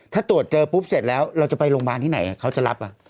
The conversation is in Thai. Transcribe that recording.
ถ้าตรวจเจอปุ๊บเสร็จแล้วเราจะไปโรงพยาบาลที่ไหนเขาจะรับ